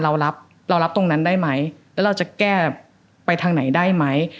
เรารับเรารับตรงนั้นได้ไหมแล้วเราจะแก้ไปทางไหนได้ไหม